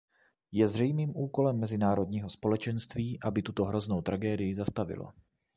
Je zřejmým úkolem mezinárodního společenství, aby tuto hroznou tragédii zastavilo.